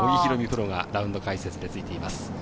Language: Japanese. プロがラウンド解説についています。